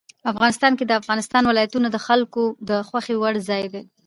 افغانستان کې د افغانستان ولايتونه د خلکو د خوښې وړ ځای دی.